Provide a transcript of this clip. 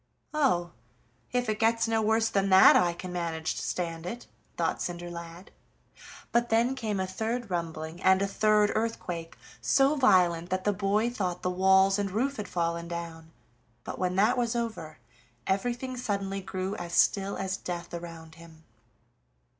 "Oh! if it gets no worse than that I can manage to stand it," thought Cinderlad. But then came a third rumbling, and a third earthquake, so violent that the boy thought the walls and roof had fallen down, but when that was over everything suddenly grew as still as death around him.